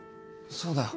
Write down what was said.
そうだよ